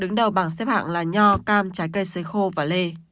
đứng đầu bảng xếp hẳn là nho cam trái cây sơi khô và lê